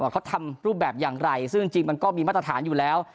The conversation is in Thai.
เขาทำรูปแบบอย่างไรซึ่งจริงมันก็มีมาตรฐานอยู่แล้ว